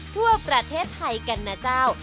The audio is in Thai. ทั่วประเทศไทยกันนะเจ้า